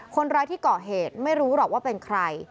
คนร้ายที่ก่อเหตุไม่รู้หรอกว่าเป็นใคร